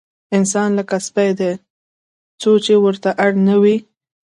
انسان لکه سپی دی، څو چې ورته اړ نه وي.